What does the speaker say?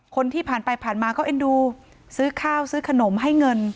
คนที่ผ่านไปผ่านมาเขาเอ็นดูซื้อข้าวซื้อขนมให้เงิน